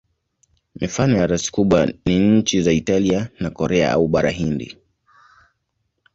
Mifano ya rasi kubwa ni nchi za Italia na Korea au Bara Hindi.